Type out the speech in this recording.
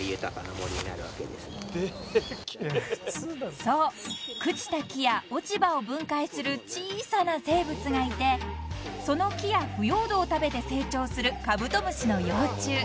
［そう朽ちた木や落ち葉を分解する小さな生物がいてその木や腐葉土を食べて成長するカブトムシの幼虫］